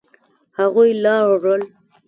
هغوی لاړل.